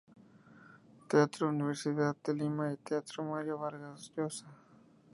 Teatro Universidad de Lima y Teatro Mario Vargas Llosa